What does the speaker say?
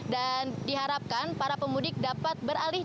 dan diharapkan para pemudik dapat beralih